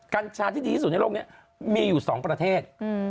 กัญชาที่ดีที่สุดในโลกนี้มีอยู่๒ประเทศ